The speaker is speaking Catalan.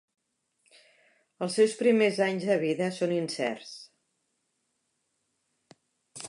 Els seus primers anys de vida són incerts.